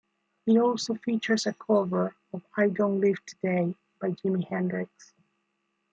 It also features a cover of "I Don't Live Today" by Jimi Hendrix.